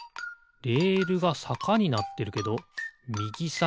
レールがさかになってるけどみぎさがり。